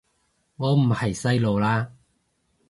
我唔係細路喇